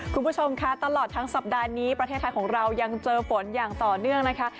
คุณผู้ชมค่ะตลอดทั้งสัปดาห์นี้ประเทศไทยของเรายังเจอฝนอย่างต่อเนื่องนะคะ